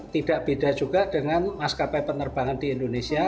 tidak beda juga dengan maskapai penerbangan di indonesia